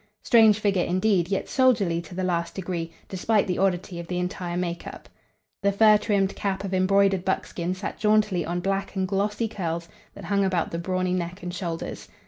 Strange figure indeed, yet soldierly to the last degree, despite the oddity of the entire make up. The fur trimmed cap of embroidered buckskin sat jauntily on black and glossy curls that hung about the brawny neck and shoulders.